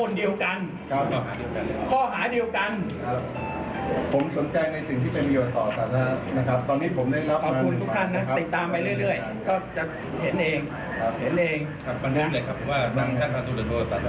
แล้วคุณมีเวลาตั้งแต่เมื่อคืนคุณไม่เช็ค